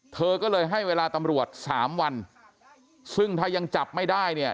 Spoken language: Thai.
เธอก็เลยให้เวลาตำรวจสามวันซึ่งถ้ายังจับไม่ได้เนี่ย